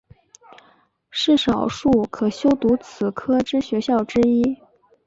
是少数可修读此科之学校之一。